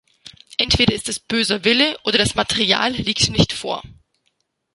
Entweder ist es böser Wille, oder das Material liegt nicht vor.